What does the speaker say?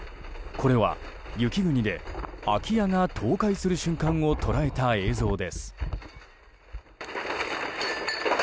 これは雪国で、空き家が倒壊する瞬間を捉えた映像です。